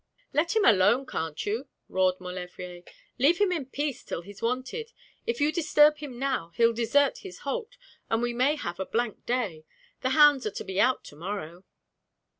'Let him alone, can't you?' roared Maulevrier; 'leave him in peace till he's wanted. If you disturb him now he'll desert his holt, and we may have a blank day. The hounds are to be out to morrow.'